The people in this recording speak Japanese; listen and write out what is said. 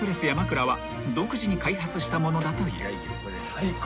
最高？